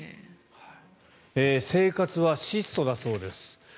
生活は質素だそうです。